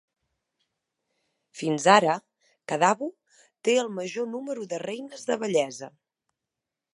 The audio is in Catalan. Fins ara, Kadavu té el major número de Reines de bellesa.